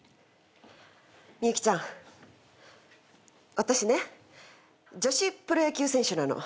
私ね女子プロ野球選手なの。